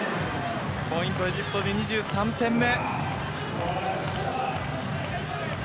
ポイント、エジプトに２３点目。